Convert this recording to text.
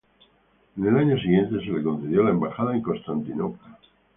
En el año siguiente, se le concedió la embajada en Constantinopla.